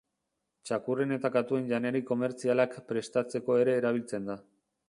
Txakurren eta katuen janari komertzialak prestatzeko ere erabiltzen da.